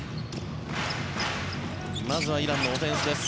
まずはイランのオフェンスです。